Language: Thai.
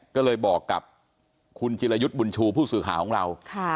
ก็เลยบอกกับคุณจิรยุทธ์บุญชูผู้สื่อข่าวของเรา